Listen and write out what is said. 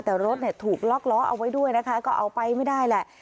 แต่รถถูกล็อกล้อเอาไว้ด้วยนะคะก็เอาไปไม่ได้แหละ